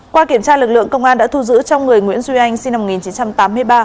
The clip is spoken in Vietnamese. qua kiểm tra lực lượng công an đã thu giữ trong người nguyễn duy anh sinh năm một nghìn chín trăm tám mươi ba